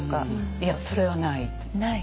いやそれはない。